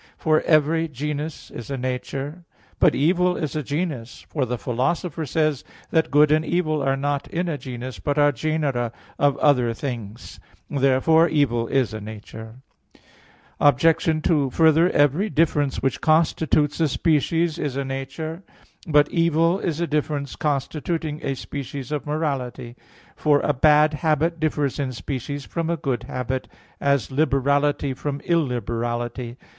For every genus is a nature. But evil is a genus; for the Philosopher says (Praedic. x) that "good and evil are not in a genus, but are genera of other things." Therefore evil is a nature. Obj. 2: Further, every difference which constitutes a species is a nature. But evil is a difference constituting a species of morality; for a bad habit differs in species from a good habit, as liberality from illiberality.